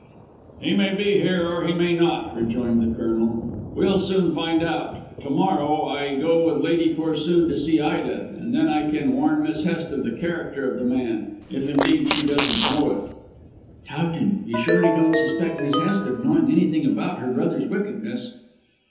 "He may be here, or he may not," rejoined the Colonel; "We'll soon find out. To morrow I go with Lady Corsoon to see Ida, and then I can warn Miss Hest of the character of the man. If, indeed, she doesn't know it." "Towton, you surely don't suspect Miss Hest of knowing anything about her brother's wickedness?"